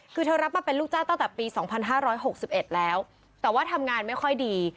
คือเธอรับมาเป็นลูกจ้านตั้งแต่ปีสองพันห้าร้อยหกสิบเอ็ดแล้วแต่ว่าทำงานไม่ค่อยดี